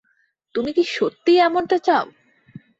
তুমি কি সত্যিই এমনটা চাও?